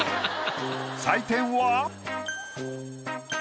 採点は。